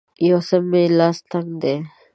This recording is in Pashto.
یو څه مې لاس تنګ دی